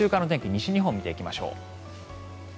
西日本を見ていきましょう。